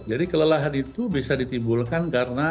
jadi kelelahan itu bisa ditimbulkan karena